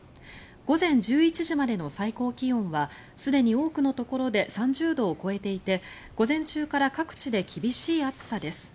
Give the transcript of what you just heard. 午前１１時までの最高気温はすでに多くのところで３０度を超えていて午前中から各地で厳しい暑さです。